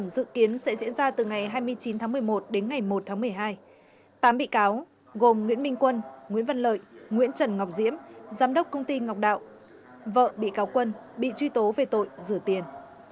tám bị cáo gồm nguyễn minh quân nguyễn văn lợi nguyễn trần ngọc diễm giám đốc công ty ngọc đạo vợ bị cáo quân bị truy tố về tội rửa tiền